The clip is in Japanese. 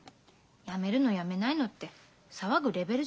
やめるのやめないのって騒ぐレベルじゃないの。